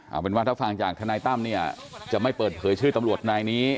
เอาเป็นว่าถ้าฟังจากทนายตั้มเนี่ยจะไม่เปิดเผยชื่อตำรวจนายนี้